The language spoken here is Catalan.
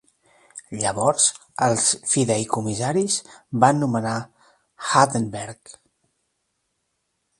Llavors els fideïcomissaris van nomenar Hardenbergh.